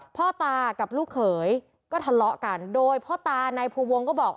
พ่อตากับลูกเขยก็ทะเลาะกันโดยพ่อตานายภูวงก็บอก